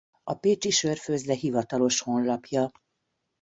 A Pécsi Sörfőzde hivatalos honlapja